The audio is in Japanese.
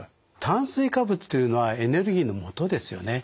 炭水化物というのはエネルギーのもとですよね。